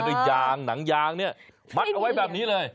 ด้วยยางหนังยางเนี่ยมัดเอาไว้แบบนี้เลย